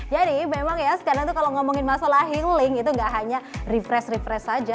jadi memang ya sekarang itu kalau ngomongin masalah healing itu gak hanya refresh refresh saja